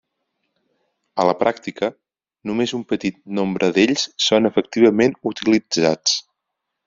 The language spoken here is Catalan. A la pràctica, només un petit nombre d'ells són efectivament utilitzats.